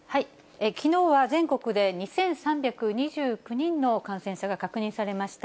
きのうは全国で２３２９人の感染者が確認されました。